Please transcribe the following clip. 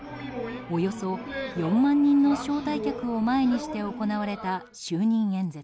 およそ４万人の招待客を前にして行われた就任演説。